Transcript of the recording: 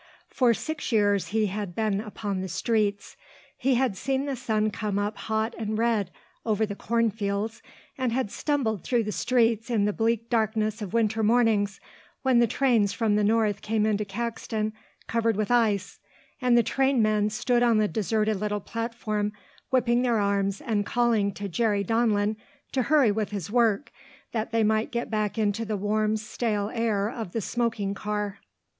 For six years he had been upon the streets. He had seen the sun come up hot and red over the corn fields, and had stumbled through the streets in the bleak darkness of winter mornings, when the trains from the north came into Caxton covered with ice, and the trainmen stood on the deserted little platform whipping their arms and calling to Jerry Donlin to hurry with his work that they might get back into the warm stale air of the smoking car.